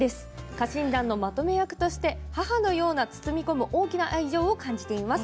家臣団のまとめ役として母のような包み込む大きな愛情を感じています。